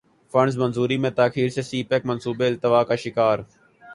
funds منظوری میں تاخیر سے سی پیک منصوبے التوا کا شکار